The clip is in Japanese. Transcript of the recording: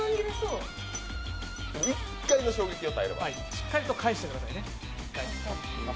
しっかりと返してくださいね。